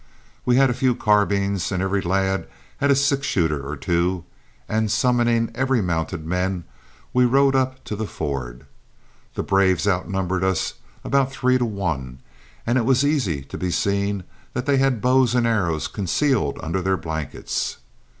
We had a few carbines, every lad had a six shooter or two, and, summoning every mounted man, we rode up to the ford. The braves outnumbered us about three to one, and it was easy to be seen that they had bows and arrows concealed under their blankets.